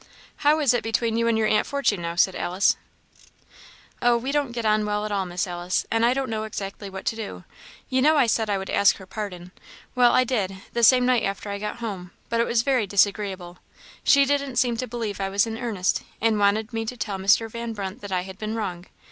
"How is it between you and your aunt Fortune now?" said Alice. "Oh, we don't get on well at all, Miss Alice, and I don't know exactly what to do. You know I said I would ask her pardon. Well, I did, the same night after I got home, but it was very disagreeable. She didn't seem to believe I was in earnest, and wanted me to tell Mr. Van Brunt that I had been wrong.